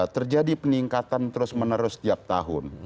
terjadi peningkatan terus menerus setiap tahun